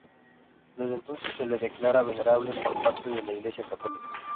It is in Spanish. Desde entonces se le declara venerable por parte de la Iglesia católica.